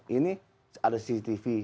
ini ada cctv